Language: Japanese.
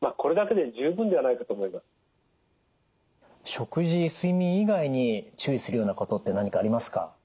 食事睡眠以外に注意するようなことって何かありますか？